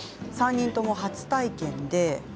３人とも初体験です。